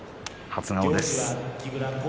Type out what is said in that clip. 初顔です。